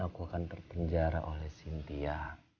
aku akan terpenjara oleh sintia